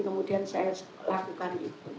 kemudian saya lakukan itu